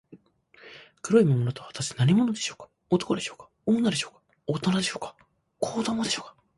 黒い魔物とは、はたして何者でしょうか。男でしょうか、女でしょうか、おとなでしょうか、子どもでしょうか。